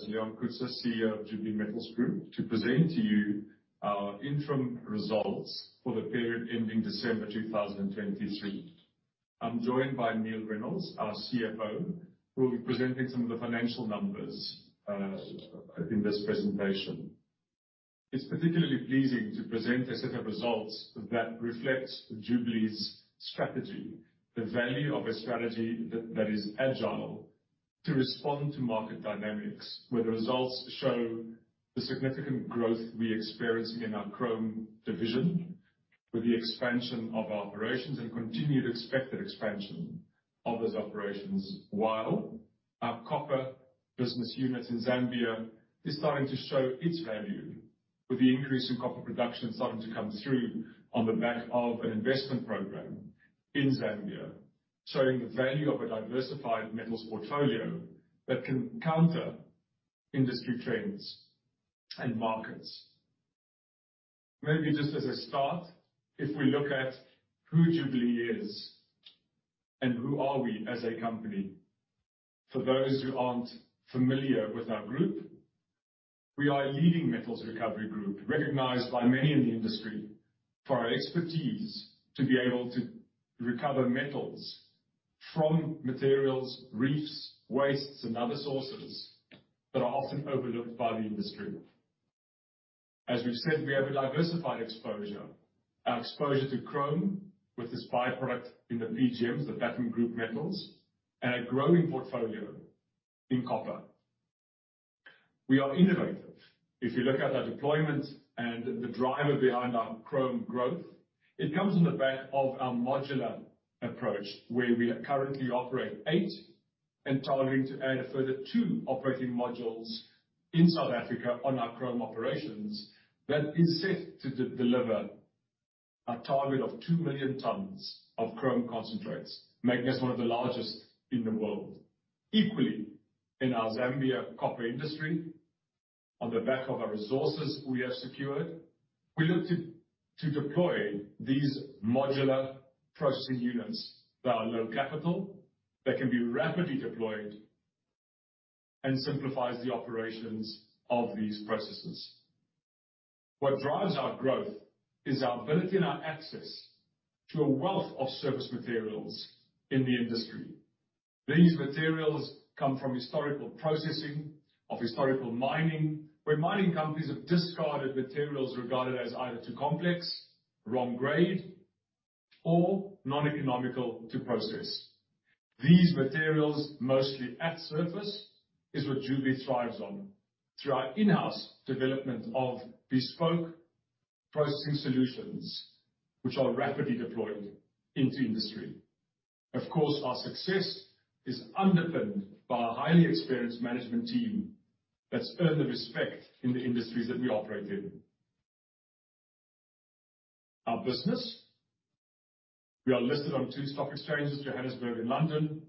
As Leon Coetzer, CEO of Jubilee Metals Group, I am to present to you our interim results for the period ending December 2023. I'm joined by Neal Reynolds, our CFO, who will be presenting some of the financial numbers in this presentation. It's particularly pleasing to present a set of results that reflects Jubilee's strategy, the value of a strategy that is agile to respond to market dynamics, where the results show the significant growth we experience in our chrome division with the expansion of our operations and continued expected expansion of those operations, while our copper business units in Zambia is starting to show its value with the increase in copper production starting to come through on the back of an investment program in Zambia, showing the value of a diversified metals portfolio that can counter industry trends and markets. Maybe just as a start, if we look at who Jubilee is and who are we as a company. For those who aren't familiar with our group, we are a leading metals recovery group, recognized by many in the industry for our expertise to be able to recover metals from materials, reefs, wastes, and other sources that are often overlooked by the industry. As we've said, we have a diversified exposure. Our exposure to chrome with this by-product in the PGMs, the platinum group metals, and a growing portfolio in copper. We are innovative. If you look at our deployment and the driver behind our chrome growth, it comes on the back of our modular approach, where we currently operate eight and targeting to add a further two operating modules in South Africa on our chrome operations that is set to deliver a target of 2 million tons of chrome concentrates, making us one of the largest in the world. Equally, in our Zambia copper industry, on the back of our resources we have secured, we look to deploy these modular processing units that are low capital, that can be rapidly deployed and simplifies the operations of these processes. What drives our growth is our ability and our access to a wealth of surface materials in the industry. These materials come from historical processing of historical mining, where mining companies have discarded materials regarded as either too complex, wrong grade, or non-economical to process. These materials, mostly at surface, is what Jubilee thrives on through our in-house development of bespoke processing solutions, which are rapidly deployed into industry. Of course, our success is underpinned by a highly experienced management team that's earned the respect in the industries that we operate in. Our business. We are listed on two stock exchanges, Johannesburg and London.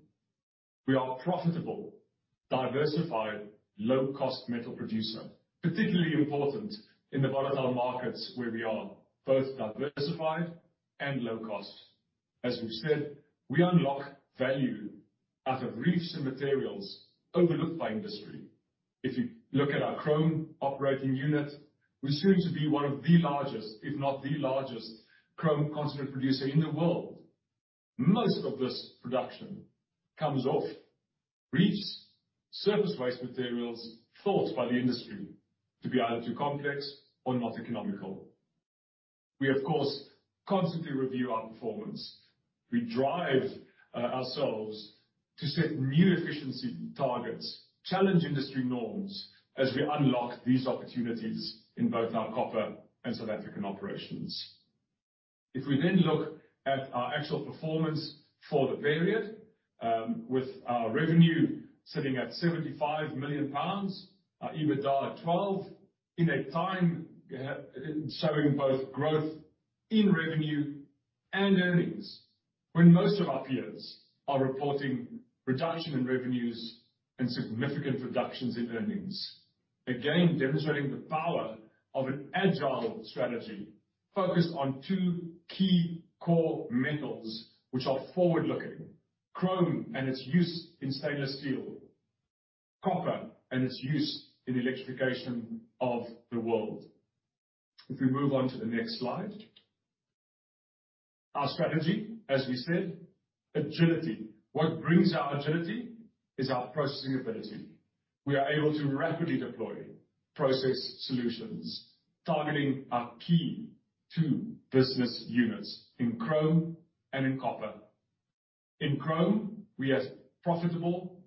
We are profitable, diversified, low-cost metal producer, particularly important in the volatile markets where we are both diversified and low cost. As we've said, we unlock value out of reefs and materials overlooked by industry. If you look at our chrome operating unit, we're soon to be one of the largest, if not the largest chrome concentrate producer in the world. Most of this production comes off reefs, surface waste materials thought by the industry to be either too complex or not economical. We, of course, constantly review our performance. We drive ourselves to set new efficiency targets, challenge industry norms as we unlock these opportunities in both our copper and South African operations. If we then look at our actual performance for the period, with our revenue sitting at £75 million, our EBITDA at £12 million in a time showing both growth in revenue and earnings when most of our peers are reporting reduction in revenues and significant reductions in earnings. Again, demonstrating the power of an agile strategy focused on two key core metals which are forward-looking, chrome and its use in stainless steel, copper and its use in electrification of the world. If we move on to the next slide. Our strategy, as we said, is agility. What brings our agility is our processing ability. We are able to rapidly deploy process solutions targeting our key two business units in chrome and in copper. In chrome, we are a profitable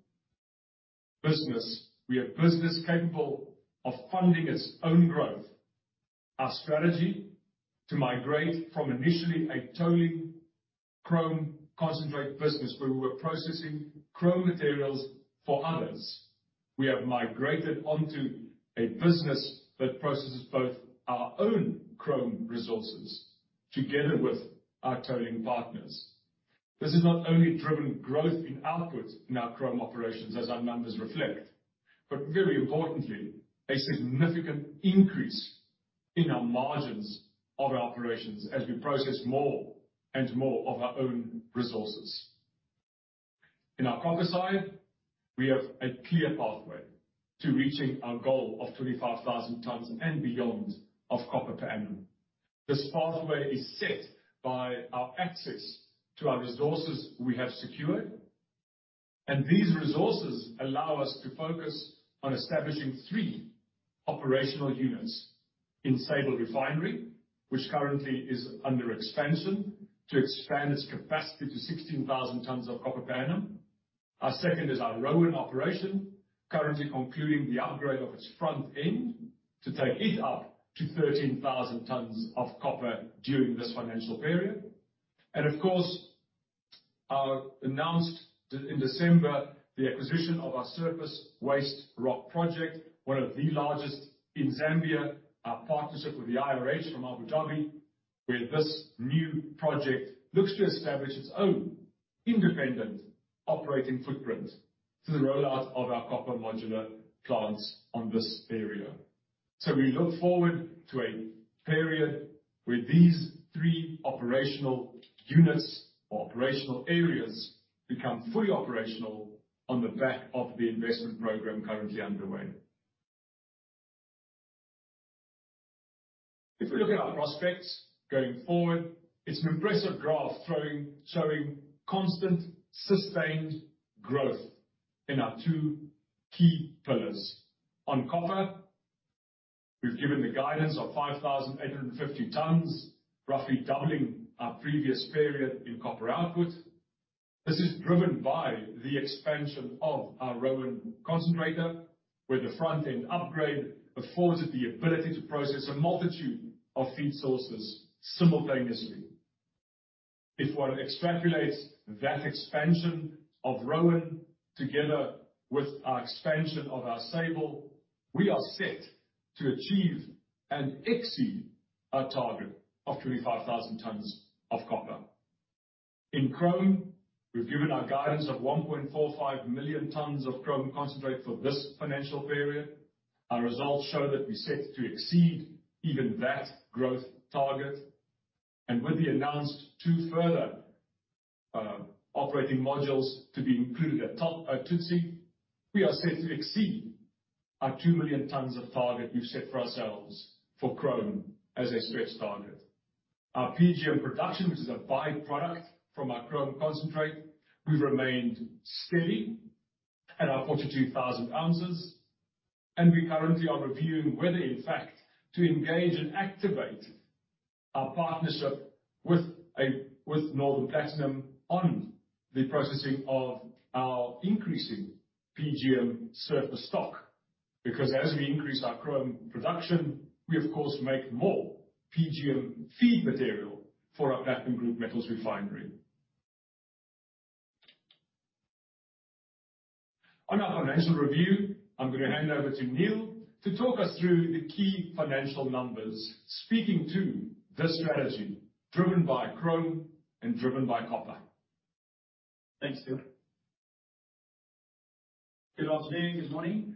business. We are a business capable of funding its own growth. Our strategy is to migrate from initially a tolling chrome concentrate business where we were processing chrome materials for others. We have migrated onto a business that processes both our own chrome resources together with our tolling partners. This has not only driven growth in outputs in our chrome operations as our numbers reflect, but very importantly, a significant increase in our margins of our operations as we process more and more of our own resources. In our copper side, we have a clear pathway to reaching our goal of 25,000 tons and beyond of copper per annum. This pathway is set by our access to our resources we have secured, and these resources allow us to focus on establishing three operational units in Sable Refinery, which currently is under expansion, to expand its capacity to 16,000 tons of copper per annum. Our second is our Roan operation, currently concluding the upgrade of its front end to take it up to 13,000 tons of copper during this financial period. Of course, our announced in December the acquisition of our surface waste rock project, one of the largest in Zambia. Our partnership with the IRH from Abu Dhabi, where this new project looks to establish its own independent operating footprint through the rollout of our copper modular plants on this area. We look forward to a period where these three operational units or operational areas become fully operational on the back of the investment program currently underway. If we look at our prospects going forward, it's an impressive graph showing constant sustained growth in our two key pillars. On copper, we've given the guidance of 5,850 tons, roughly doubling our previous period in copper output. This is driven by the expansion of our Roan concentrator, where the front-end upgrade affords it the ability to process a multitude of feed sources simultaneously. If one extrapolates that expansion of Roan together with our expansion of our Sable, we are set to achieve and exceed our target of 25,000 tons of copper. In chrome, we've given our guidance of 1.45 million tons of chrome concentrate for this financial period. Our results show that we're set to exceed even that growth target. With the announced two further operating modules to be included at Thutse, we are set to exceed our 2 million ton target we've set for ourselves for chrome as a stretch target. Our PGM production, which is a by-product from our chrome concentrate, we've remained steady at our 42,000 ounces, and we currently are reviewing whether in fact to engage and activate our partnership with Northam Platinum on the processing of our increasing PGM surface stock. Because as we increase our chrome production, we of course make more PGM feed material for our platinum group metals refinery. On our financial review, I'm gonna hand over to Neal to talk us through the key financial numbers, speaking to this strategy driven by chrome and driven by copper. Thanks, Leon. Good afternoon. Good morning.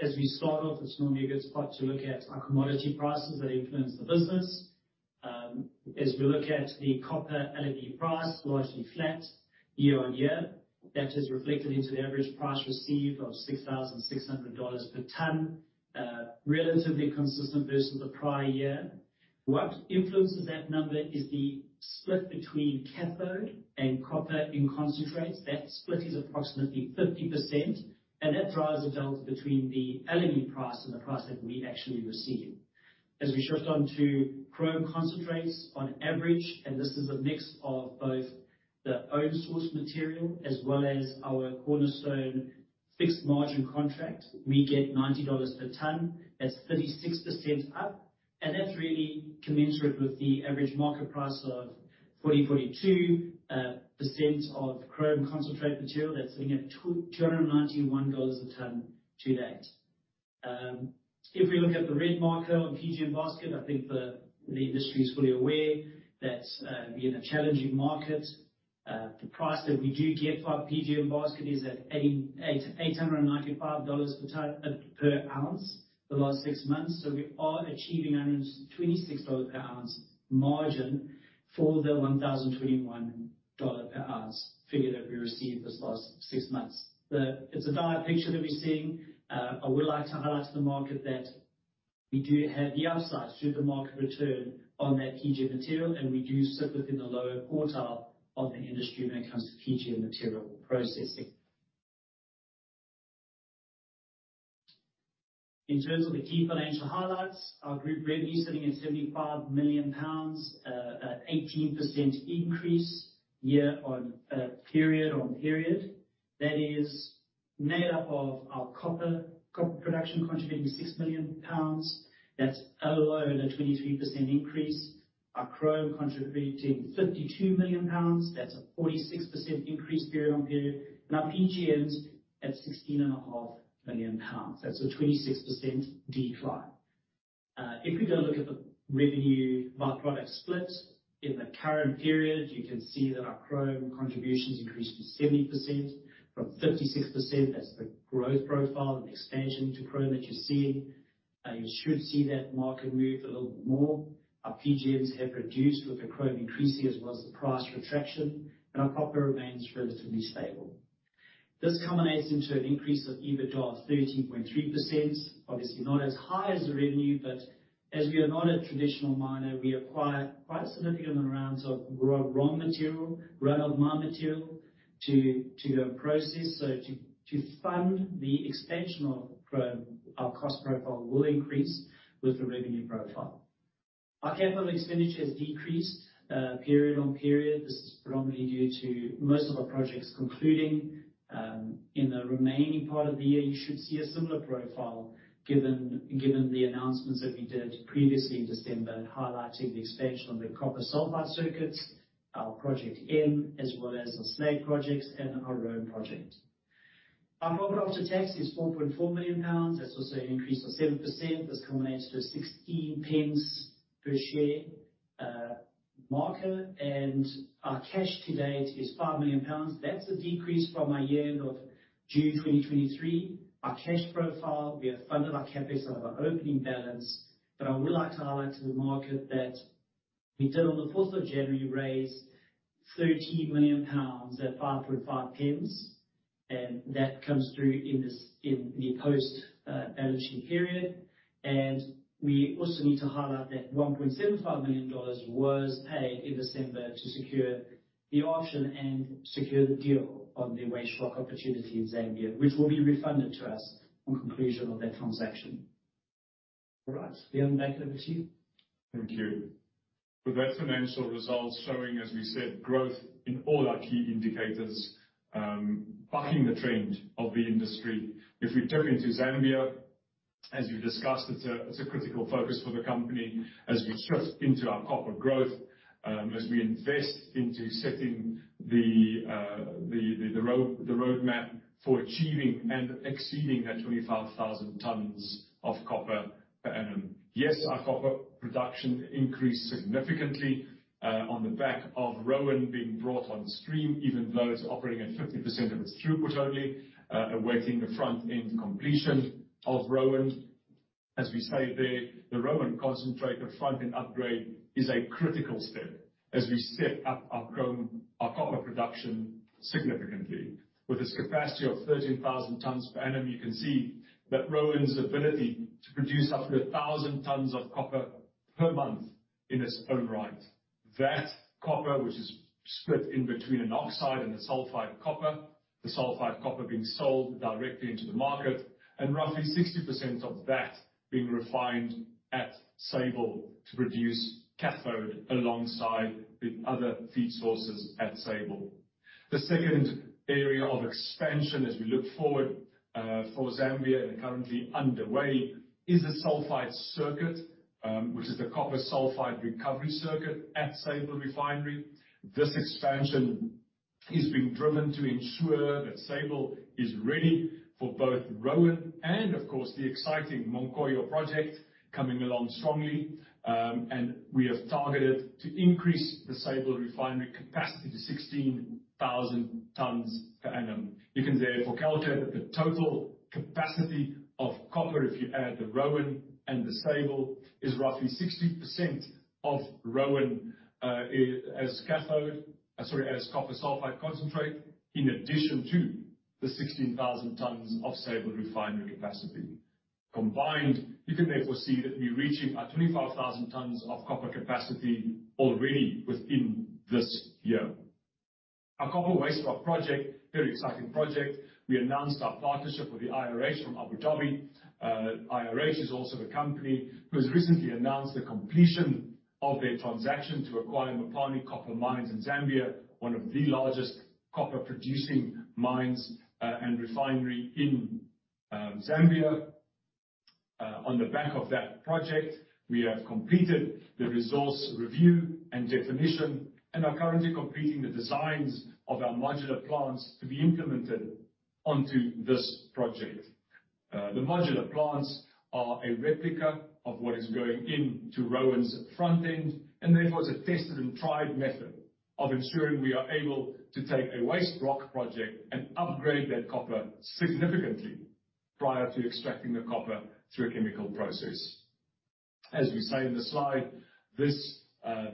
As we start off, it's normally a good spot to look at our commodity prices that influence the business. As we look at the copper LME price, largely flat year-on-year. That is reflected into the average price received of $6,600 per ton, relatively consistent versus the prior year. What influenced that number is the split between cathode and copper in concentrates. That split is approximately 50%, and that drives the delta between the LME price and the price that we actually receive. As we shift on to chrome concentrates on average, and this is a mix of both the own source material as well as our cornerstone fixed margin contract. We get $90 per ton. That's 36% up, and that's really commensurate with the average market price of 40%-42% of chrome concentrate material. That's sitting at $291 a ton to date. If we look at the red marker on PGM basket, I think the industry is fully aware that we had a challenging market. The price that we do get for our PGM basket is at eight hundred and ninety-five dollars per ounce the last six months. We are achieving a $126 per ounce margin for the $1,021 per ounce figure that we received this last six months. It's a dire picture that we're seeing. I would like to highlight to the market that we do have the upside should the market return on that PGM material, and we do sit within the lower quartile of the industry when it comes to PGM material processing. In terms of the key financial highlights, our group revenue sitting at 75 million pounds, at 18% increase year-on-year, period-on-period. That is made up of our copper production contributing 6 million pounds. That's alone a 23% increase. Our chrome contributing 52 million pounds. That's a 46% increase period-on-period. Our PGMs at 16.5 million pounds. That's a 26% decline. If we go look at the revenue by product split. In the current period, you can see that our chrome contributions increased to 70% from 56%. That's the growth profile and expansion to chrome that you're seeing. You should see that market move a little bit more. Our PGMs have reduced with the chrome increasing as well as the price retraction, and our copper remains relatively stable. This culminates into an increase of EBITDA of 13.3%. Obviously not as high as the revenue, but as we are not a traditional miner, we acquire quite significant amounts of raw material, run of mine material to go process. To fund the expansion of chrome, our cost profile will increase with the revenue profile. Our capital expenditure has decreased, period on period. This is predominantly due to most of our projects concluding. In the remaining part of the year, you should see a similar profile given the announcements that we did previously in December, highlighting the expansion of the copper sulfide circuits, our project M as well as the slag projects and our Roan project. Our profit after tax is 4.4 million pounds. That's also an increase of 7%. This culminates to 16 pence per share metric, and our cash to date is 5 million pounds. That's a decrease from our year-end of June 2023. Our cash profile, we have funded our CapEx out of our opening balance, but I would like to highlight to the market that we did on the fourth of January raise GBP 30 million at 5.5 pence, and that comes through in this, in the post-balancing period. We also need to highlight that $1.75 million was paid in December to secure the option and secure the deal on the waste rock opportunity in Zambia, which will be refunded to us on conclusion of that transaction. All right, Leon Coetzer, over to you. Thank you. With our financial results showing, as we said, growth in all our key indicators, bucking the trend of the industry. If we dip into Zambia, as we've discussed, it's a critical focus for the company as we shift into our copper growth, as we invest into setting the roadmap for achieving and exceeding that 25,000 tons of copper per annum. Yes, our copper production increased significantly, on the back of Roan being brought on stream, even though it's operating at 50% of its throughput only, awaiting the front-end completion of Roan. As we say there, the Roan concentrator front-end upgrade is a critical step as we step up our chrome, our copper production significantly. With its capacity of 13,000 tons per annum, you can see that Roan's ability to produce up to 1,000 tons of copper per month in its own right. That copper, which is split in between an oxide and a sulfide copper, the sulfide copper being sold directly into the market, and roughly 60% of that being refined at Sable to produce cathode alongside with other feed sources at Sable. The second area of expansion as we look forward for Zambia and currently underway, is a sulfide circuit, which is the copper sulfide recovery circuit at Sable Refinery. This expansion is being driven to ensure that Sable is ready for both Roan and of course, the exciting Munkoyo project coming along strongly. We have targeted to increase the Sable Refinery capacity to 16,000 tons per annum. You can therefore calculate that the total capacity of copper, if you add the Roan and the Sable, is roughly 60% of Roan, as copper sulfide concentrate, in addition to the 16,000 tons of Sable Refinery capacity. Combined, you can therefore see that we're reaching our 25,000 tons of copper capacity already within this year. Our copper waste rock project, very exciting project. We announced our partnership with the IRH from Abu Dhabi. IRH is also the company who has recently announced the completion of their transaction to acquire Mopani Copper Mines in Zambia, one of the largest copper producing mines, and refinery in Zambia. On the back of that project, we have completed the resource review and definition and are currently completing the designs of our modular plants to be implemented onto this project. The modular plants are a replica of what is going into Roan's front end and therefore it's a tested and tried method of ensuring we are able to take a waste rock project and upgrade that copper significantly prior to extracting the copper through a chemical process. As we say in the slide, this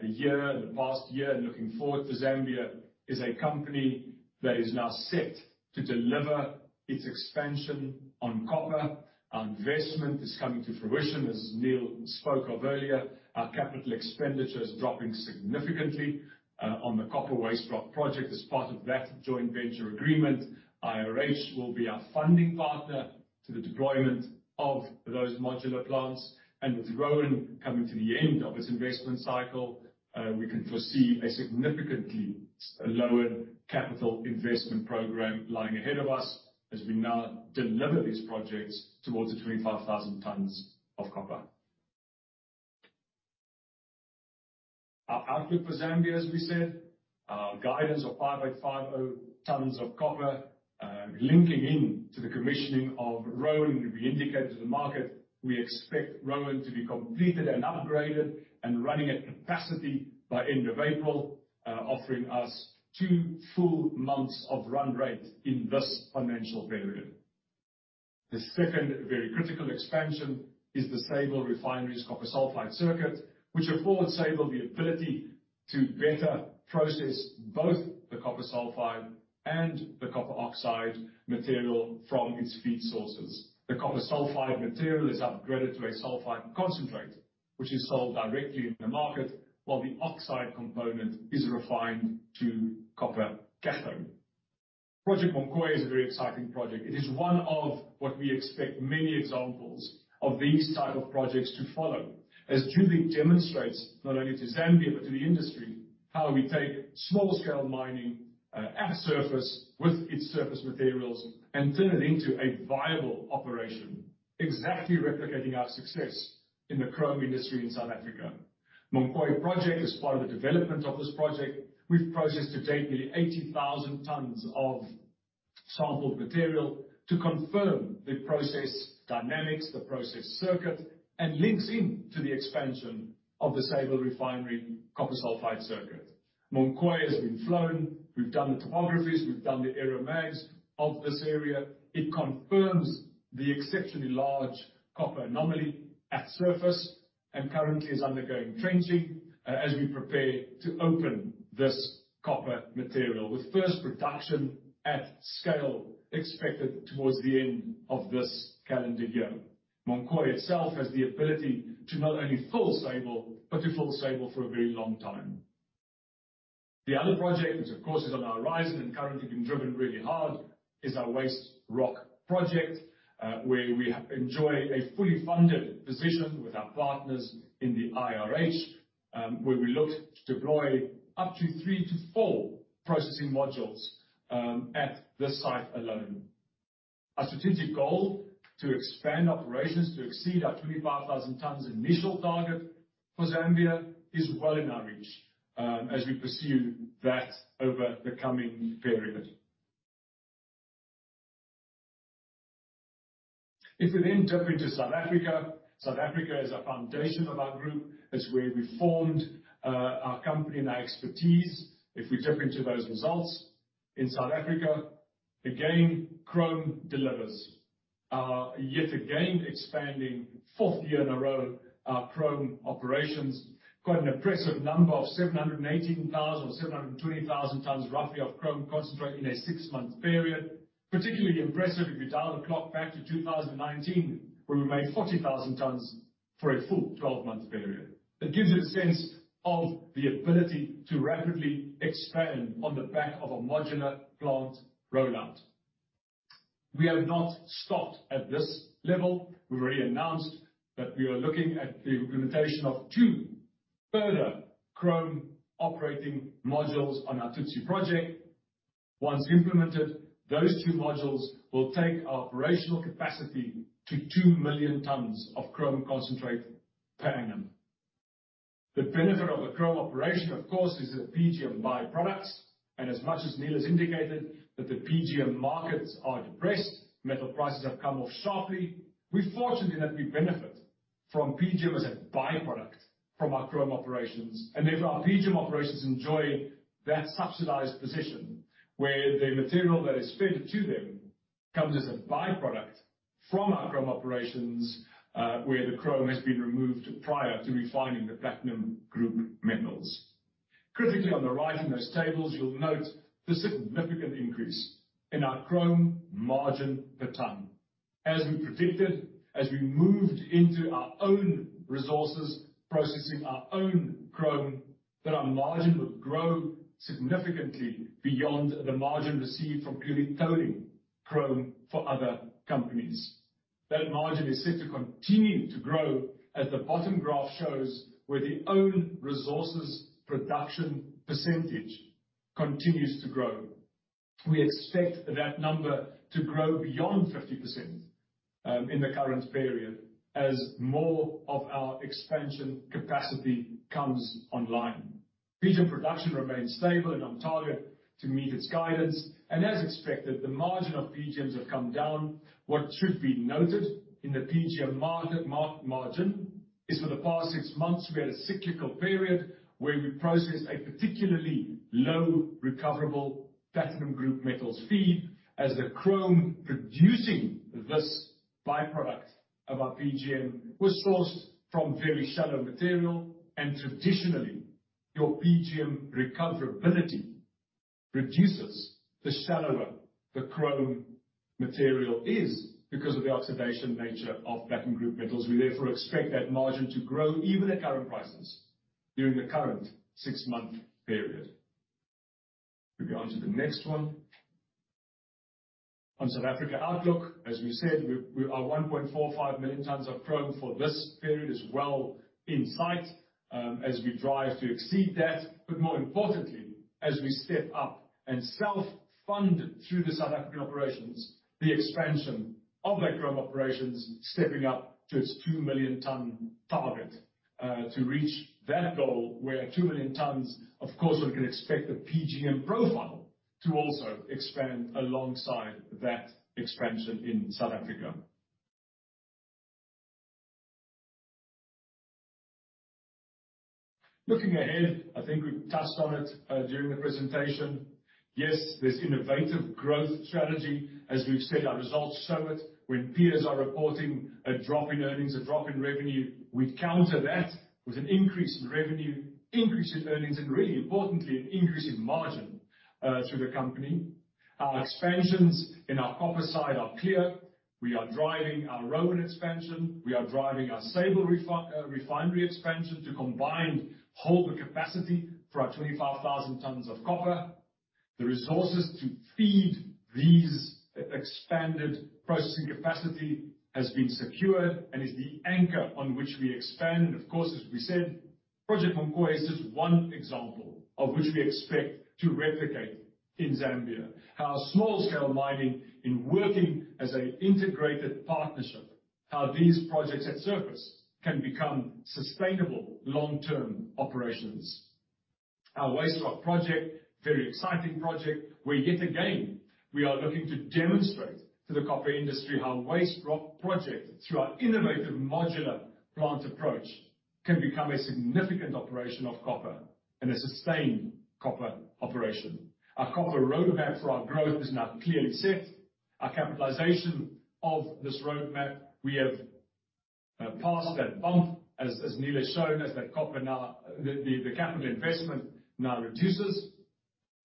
year, the past year, looking forward to Zambia, is a company that is now set to deliver its expansion on copper. Our investment is coming to fruition, as Neal spoke of earlier. Our capital expenditure is dropping significantly on the copper waste rock project. As part of that joint venture agreement, IRH will be our funding partner to the deployment of those modular plants. With Roan coming to the end of its investment cycle, we can foresee a significantly lower capital investment program lying ahead of us as we now deliver these projects towards the 25,000 tons of copper. Our outlook for Zambia, as we said, our guidance of 5.50 tons of copper, linking in to the commissioning of Roan. We indicated to the market we expect Roan to be completed and upgraded and running at capacity by end of April, offering us two full months of run rate in this financial period. The second very critical expansion is the Sable Refinery's copper sulfide circuit, which affords Sable the ability to better process both the copper sulfide and the copper oxide material from its feed sources. The copper sulfide material is upgraded to a sulfide concentrate, which is sold directly in the market, while the oxide component is refined to copper cathode. Project Munkoyo is a very exciting project. It is one of what we expect many examples of these type of projects to follow. As Jubilee demonstrates, not only to Zambia but to the industry, how we take small scale mining at surface, with its surface materials and turn it into a viable operation. Exactly replicating our success in the chrome industry in South Africa. Munkoyo project is part of the development of this project. We've processed to date nearly 80,000 tons of sampled material to confirm the process dynamics, the process circuit, and links in to the expansion of the Sable Refinery copper sulfide circuit. Munkoyo has been flown. We've done the topography, we've done the Aeromags of this area. It confirms the exceptionally large copper anomaly at surface and currently is undergoing trenching as we prepare to open this copper material, with first production at scale expected towards the end of this calendar year. Munkoyo itself has the ability to not only fill Sable, but to fill Sable for a very long time. The other project, which of course is on our horizon and currently being driven really hard, is our waste rock project, where we enjoy a fully funded position with our partners in the IRH, where we look to deploy up to 3-4 processing modules at this site alone. Our strategic goal to expand operations to exceed our 25,000 tons initial target for Zambia is well in our reach, as we pursue that over the coming period. If we then dip into South Africa. South Africa is a foundation of our group. It's where we formed our company and our expertise. If we dip into those results. In South Africa, again, chrome delivers. Yet again expanding for the fourth year in a row our chrome operations. Quite an impressive number of 718,000 or 720,000 tons roughly of chrome concentrate in a six-month period. Particularly impressive if you dial the clock back to 2019, where we made 40,000 tons for a full twelve-month period. It gives you a sense of the ability to rapidly expand on the back of a modular plant rollout. We have not stopped at this level. We've already announced that we are looking at the implementation of two further chrome operating modules on our Thutse project. Once implemented, those two modules will take our operational capacity to 2 million tons of chrome concentrate per annum. The benefit of a chrome operation, of course, is the PGM byproducts, and as much as Neal has indicated that the PGM markets are depressed, metal prices have come off sharply. We fortunately have benefited from PGM as a byproduct from our chrome operations, and therefore our PGM operations enjoy that subsidized position where the material that is fed to them comes as a byproduct from our chrome operations, where the chrome has been removed prior to refining the platinum group metals. Critically, on the right in those tables you'll note the significant increase in our chrome margin per ton. As we predicted, as we moved into our own resources, processing our own chrome, that our margin would grow significantly beyond the margin received from purely tolling chrome for other companies. That margin is set to continue to grow, as the bottom graph shows, where the own resources production percentage continues to grow. We expect that number to grow beyond 50%, in the current period as more of our expansion capacity comes online. PGM production remains stable and on target to meet its guidance, and as expected, the margin of PGMs have come down. What should be noted in the PGM margin is for the past six months, we had a cyclical period where we processed a particularly low recoverable platinum group metals feed as the chrome producing this byproduct of our PGM was sourced from very shallow material. Traditionally, your PGM recoverability reduces the shallower the chrome material is because of the oxidation nature of platinum group metals. We therefore expect that margin to grow even at current prices during the current six-month period. We go on to the next one. On South Africa outlook, as we said, we are 1.45 million tons of chrome for this period is well in sight, as we drive to exceed that. But more importantly, as we step up and self-fund through the South African operations, the expansion of that chrome operations, stepping up to its 2 million ton target, to reach that goal where 2 million tons, of course, we can expect the PGM profile to also expand alongside that expansion in South Africa. Looking ahead, I think we've touched on it during the presentation. Yes, this innovative growth strategy, as we've said, our results show it. When peers are reporting a drop in earnings, a drop in revenue, we counter that with an increase in revenue, increase in earnings, and really importantly, an increase in margin through the company. Our expansions in our copper side are clear. We are driving our Roan expansion. We are driving our Sable Refinery expansion to combine wholly the capacity for our 25,000 tons of copper. The resources to feed these expanded processing capacity has been secured and is the anchor on which we expand. Of course, as we said, Project Munkoyo is just one example of which we expect to replicate in Zambia. Our small-scale mining is working as an integrated partnership, how these projects at surface can become sustainable long-term operations. Our waste rock project, very exciting project, where yet again, we are looking to demonstrate to the copper industry how waste rock project, through our innovative modular plant approach, can become a significant operation of copper and a sustained copper operation. Our copper roadmap for our growth is now clearly set. Our capitalization of this roadmap, we have passed that bump, as Neal has shown us, that the capital investment now reduces.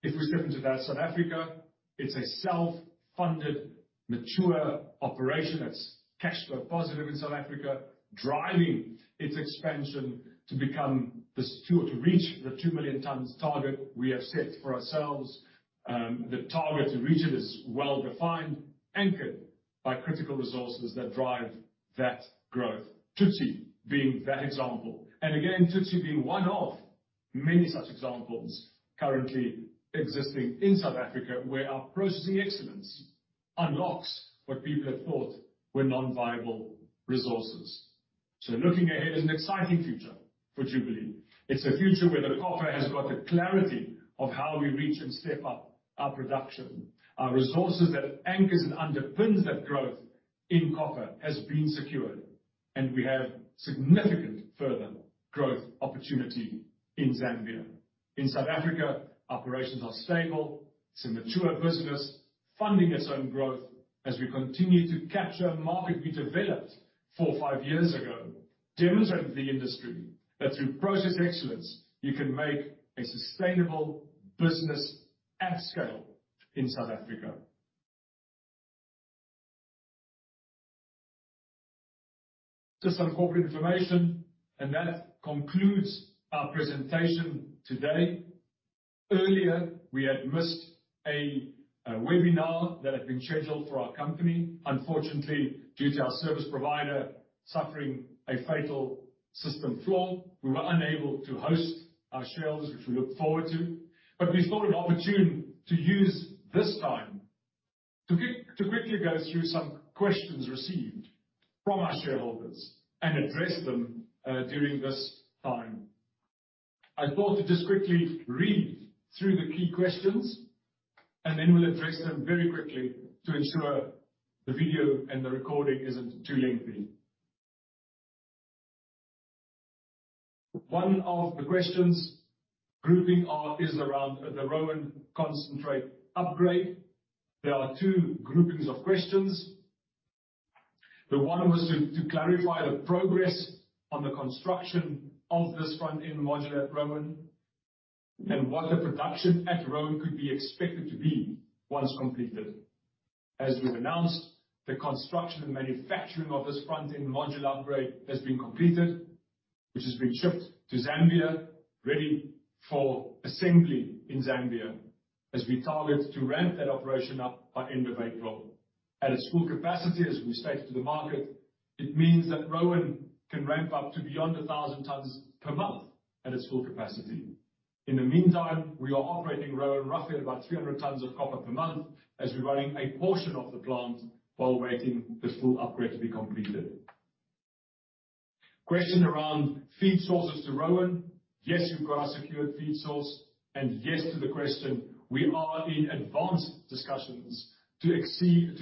If we step into that South Africa, it's a self-funded, mature operation that's cash flow positive in South Africa, driving its expansion to reach the 2 million tons target we have set for ourselves. The target to reach it is well-defined, anchored by critical resources that drive that growth, Thutse being that example. Again, Thutse being one of many such examples currently existing in South Africa, where our processing excellence unlocks what people had thought were non-viable resources. Looking ahead is an exciting future for Jubilee. It's a future where the copper has got the clarity of how we reach and step up our production. Our resources that anchors and underpins that growth in copper has been secured, and we have significant further growth opportunity in Zambia. In South Africa, operations are stable. It's a mature business funding its own growth as we continue to capture a market we developed four or five years ago, demonstrating to the industry that through process excellence, you can make a sustainable business at scale in South Africa. Just some corporate information, and that concludes our presentation today. Earlier, we had missed a webinar that had been scheduled for our company. Unfortunately, due to our service provider suffering a fatal system flaw, we were unable to host our shareholders, which we look forward to. We thought it opportune to use this time to quickly go through some questions received from our shareholders and address them during this time. I thought to just quickly read through the key questions, and then we'll address them very quickly to ensure the video and the recording isn't too lengthy. One of the questions grouping are, is around the Roan concentrate upgrade. There are two groupings of questions. The one was to clarify the progress on the construction of this front-end module at Roan and what the production at Roan could be expected to be once completed. As we've announced, the construction and manufacturing of this front-end module upgrade has been completed, which has been shipped to Zambia, ready for assembly in Zambia, as we target to ramp that operation up by end of April. At its full capacity, as we stated to the market, it means that Roan can ramp up to beyond 1,000 tons per month at its full capacity. In the meantime, we are operating Roan roughly at about 300 tons of copper per month as we're running a portion of the plant while waiting the full upgrade to be completed. Question around feed sources to Roan. Yes, we've got our secured feed source. Yes to the question, we are in advanced discussions to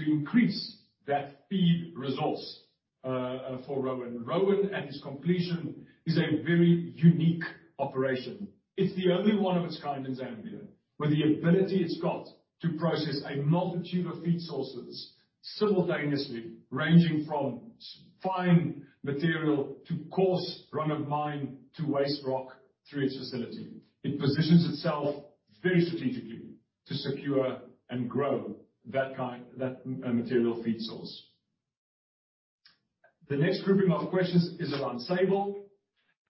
increase that feed resource for Roan. Roan, at its completion, is a very unique operation. It's the only one of its kind in Zambia, with the ability it's got to process a multitude of feed sources simultaneously, ranging from fine material to coarse run of mine to waste rock through its facility. It positions itself very strategically to secure and grow that kind material feed source. The next grouping of questions is around Sable.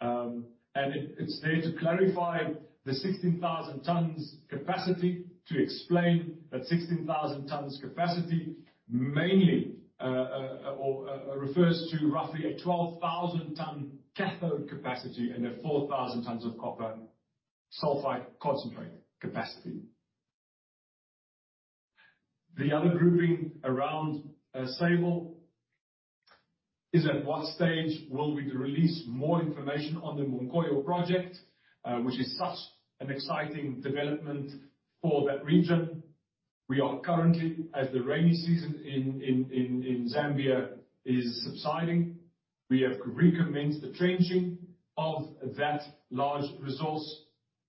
It's there to clarify the 16,000 tons capacity to explain that 16,000 tons capacity mainly refers to roughly a 12,000-ton cathode capacity and a 4,000 tons of copper sulfide concentrate capacity. The other grouping around Sable is at what stage will we release more information on the Munkoyo project, which is such an exciting development for that region. We are currently, as the rainy season in Zambia is subsiding, we have recommenced the trenching of that large resource,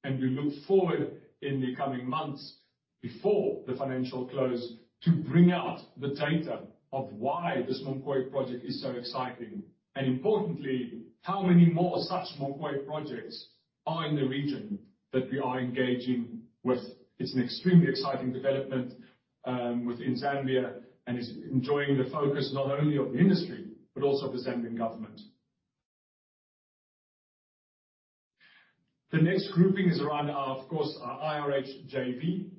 and we look forward in the coming months before the financial close to bring out the data of why this Munkoyo project is so exciting, and importantly, how many more such Munkoyo projects are in the region that we are engaging with. It's an extremely exciting development within Zambia, and it's enjoying the focus not only of the industry but also the Zambian government. The next grouping is around our, of course, IRH JV.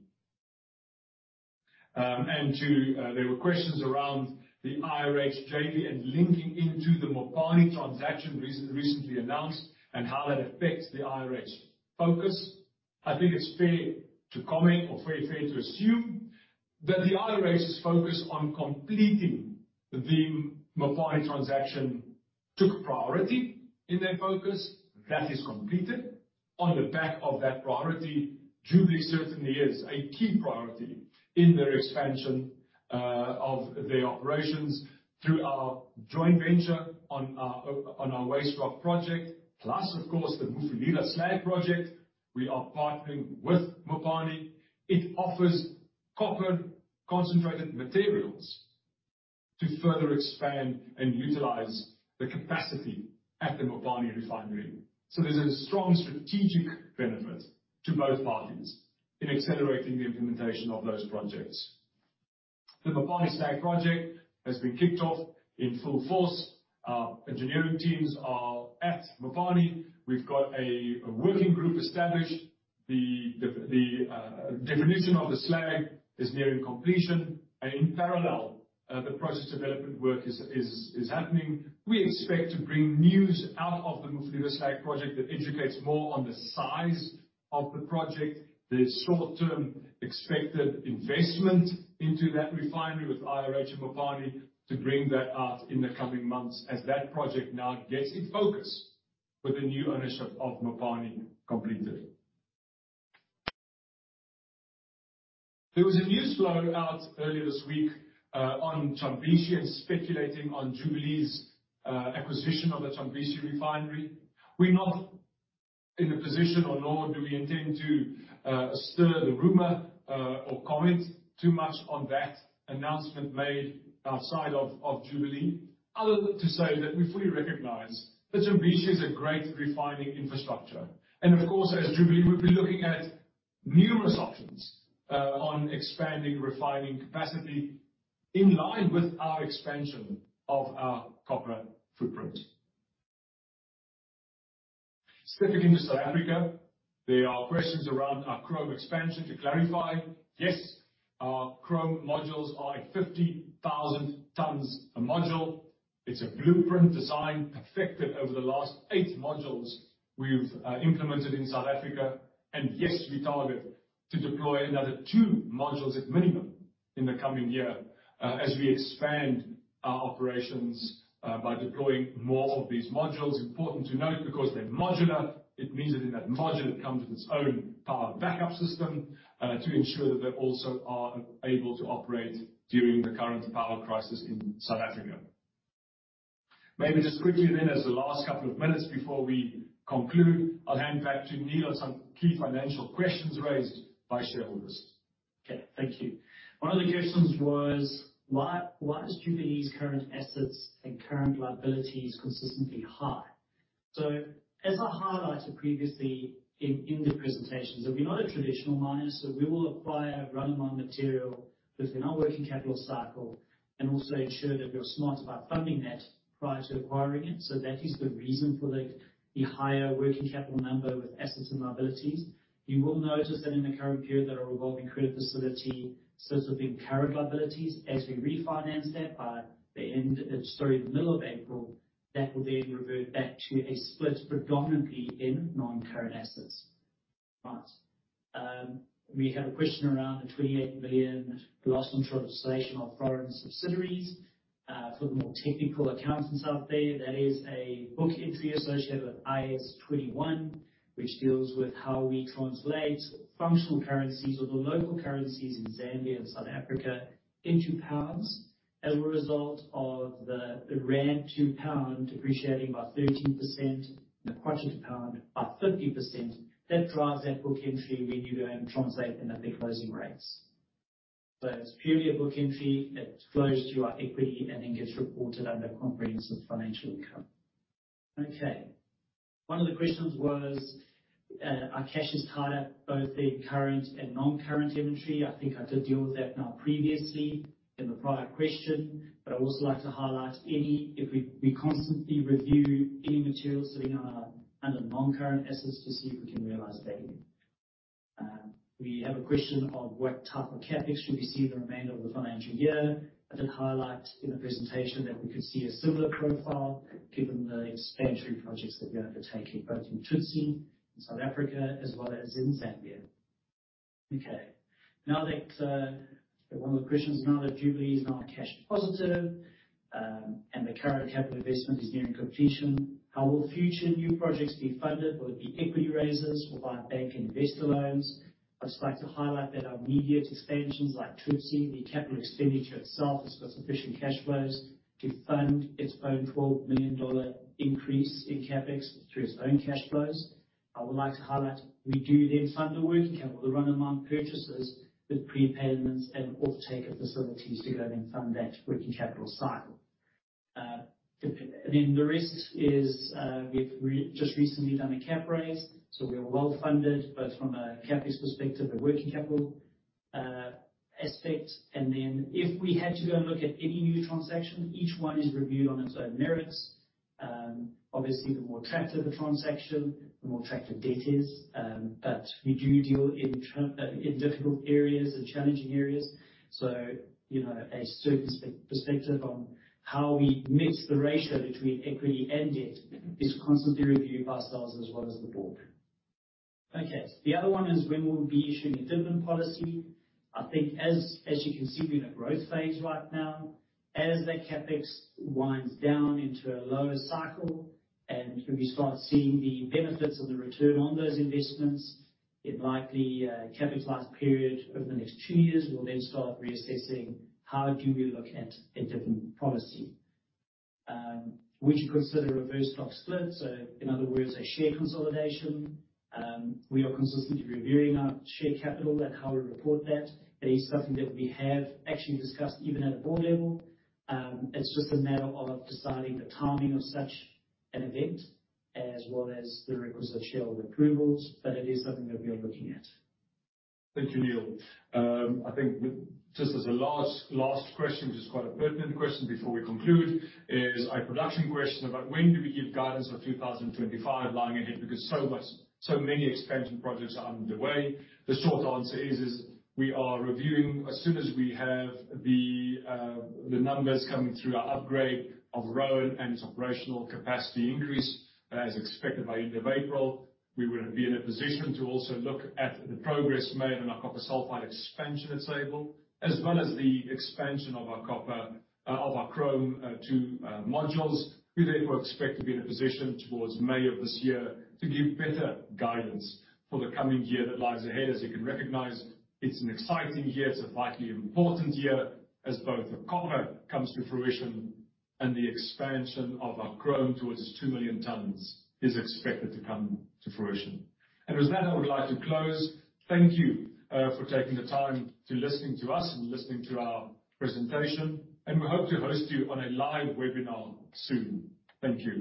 There were questions around the IRH JV and linking into the Mopani transaction recently announced and how that affects the IRH focus. I think it's fair to comment or very fair to assume that the IRH's focus on completing the Mopani transaction took priority in their focus. That is completed. On the back of that priority, Jubilee certainly is a key priority in their expansion of their operations through our joint venture on our waste rock project, plus of course, the Mufulira Slag project. We are partnering with Mopani. It offers copper concentrate materials to further expand and utilize the capacity at the Mopani Refinery. There's a strong strategic benefit to both parties in accelerating the implementation of those projects. The Mopani Slag project has been kicked off in full force. Our engineering teams are at Mopani. We've got a working group established. The definition of the slag is nearing completion. In parallel, the process development work is happening. We expect to bring news out of the Mufulira Slag project that indicates more on the size of the project, the short-term expected investment into that refinery with IRH and Mopani to bring that out in the coming months as that project now gets in focus with the new ownership of Mopani completed. There was a news flow out earlier this week on Chambishi and speculating on Jubilee's acquisition of the Chambishi Refinery. We're not in a position or nor do we intend to stir the rumor or comment too much on that announcement made outside of Jubilee, other than to say that we fully recognize that Chambishi is a great refining infrastructure. Of course, as Jubilee, we'll be looking at numerous options on expanding refining capacity in line with our expansion of our copper footprint. Switching to South Africa, there are questions around our chrome expansion. To clarify, yes, our chrome modules are 50,000 tons a module. It's a blueprint design perfected over the last eight modules we've implemented in South Africa. Yes, we target to deploy another two modules at minimum in the coming year, as we expand our operations, by deploying more of these modules. Important to note because they're modular, it means that in that module, it comes with its own power backup system, to ensure that they also are able to operate during the current power crisis in South Africa. Maybe just quickly then as the last couple of minutes before we conclude, I'll hand back to Neal on some key financial questions raised by shareholders. Okay. Thank you. One of the questions was why is Jubilee's current assets and current liabilities consistently high? As I highlighted previously in the presentation, we're not a traditional miner, we will acquire run-of-mine material within our working capital cycle and also ensure that we're smart about funding that prior to acquiring it. That is the reason for the higher working capital number with assets and liabilities. You will notice that in the current period of our revolving credit facility, since we've been current liabilities, as we refinance that by the middle of April, that will then revert back to a split predominantly in non-current assets. We have a question around the 28 million loss on translation of foreign subsidiaries. For the more technical accountants out there, that is a book entry associated with IAS 21, which deals with how we translate functional currencies or the local currencies in Zambia and South Africa into pounds as a result of the rand to pound depreciating by 13% and the Kwacha to pound by 50%. That drives that book entry when you go and translate them at their closing rates. It's purely a book entry. It flows to our equity and then gets reported under comprehensive income. Okay. One of the questions was, our cash is tied up both in current and non-current inventory. I think I did deal with that now previously in the prior question, but I'd also like to highlight if we constantly review any materials sitting in our under non-current assets to see if we can realize value. We have a question of what type of CapEx should we see in the remainder of the year. I did highlight in the presentation that we could see a similar profile given the expansion projects that we are undertaking, both in Thutse, in South Africa, as well as in Zambia. Now that one of the questions, now that Jubilee is cash positive, and the current capital investment is nearing completion, how will future new projects be funded, will it be equity raises or via bank investor loans? I'd just like to highlight that our immediate expansions like Thutse, the capital expenditure itself has got sufficient cash flows to fund its own $12 million increase in CapEx through its own cash flows. I would like to highlight, we do then fund the working capital, the run-of-mine purchases with prepayments and off-taker facilities to go then fund that working capital cycle. Then the rest is, we've just recently done a cap raise, so we are well-funded, both from a CapEx perspective, a working capital aspect. If we had to go and look at any new transaction, each one is reviewed on its own merits. Obviously, the more attractive the transaction, the more attractive debt is. But we do deal in term, in difficult areas and challenging areas. You know, a certain perspective on how we mix the ratio between equity and debt is constantly reviewed by ourselves as well as the board. Okay. The other one is when will we be issuing a dividend policy. I think as you can see, we're in a growth phase right now. As the CapEx winds down into a lower cycle, and when we start seeing the benefits of the return on those investments, it's likely a capitalized period over the next two years, we'll then start reassessing how we look at a different policy. We should consider a reverse stock split, so in other words, a share consolidation. We are consistently reviewing our share capital and how we report that. That is something that we have actually discussed even at a board level. It's just a matter of deciding the timing of such an event, as well as the requisite shareholder approvals, but it is something that we are looking at. Thank you, Neal. I think just as a last question, which is quite an important question before we conclude, is a production question about when do we give guidance for 2025 lying ahead because so much, so many expansion projects are underway. The short answer is we are reviewing as soon as we have the numbers coming through our upgrade of Roan and its operational capacity increase, as expected by end of April. We will be in a position to also look at the progress made on our copper sulfide expansion at Sable, as well as the expansion of our chrome 2 modules. We therefore expect to be in a position towards May of this year to give better guidance for the coming year that lies ahead. As you can recognize, it's an exciting year, it's a vitally important year as both the copper comes to fruition and the expansion of our chrome towards 2 million tons is expected to come to fruition. With that, I would like to close. Thank you, for taking the time to listening to us and listening to our presentation, and we hope to host you on a live webinar soon. Thank you.